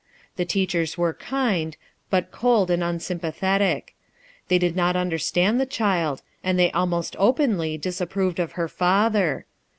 The teachers were kind, but cold and unsympathetic. They did not understand the child, and they almost openly disapproved of her father.